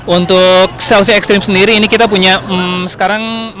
untuk selfie ekstrim sendiri ini kita punya sekarang